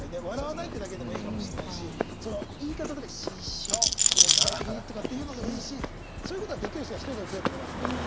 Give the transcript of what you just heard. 笑わないってだけでもいいかもしれないしその言い方とか「師匠今時代的に」とかっていうのでもいいしそういうことができる人が１人でも増えていけば。